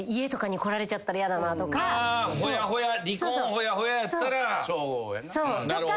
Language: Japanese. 離婚ほやほややったらなるほど。